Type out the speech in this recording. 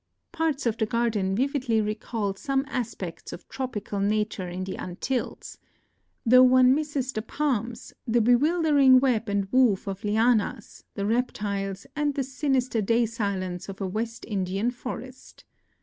Parts of the garden vividly recall some aspects of tropical nature in the An tilles; — though one misses the palms, the bewildering web and woof of lianas, the rep tiles, and the sinister day silence of a West Indian forest.